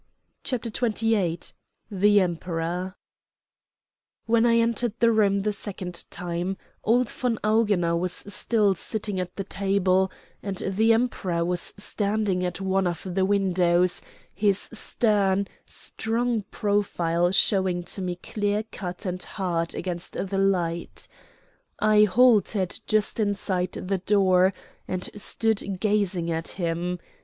CHAPTER XXVIII THE EMPEROR When I entered the room the second time, old von Augener was still sitting at the table, and the Emperor was standing at one of the windows, his stern, strong profile showing to me clear cut and hard against the light. I halted just inside the door, and stood gazing at him.